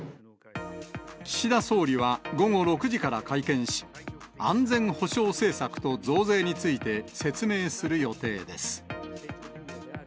岸田総理は午後６時から会見し、安全保障政策と増税について説明する予定です。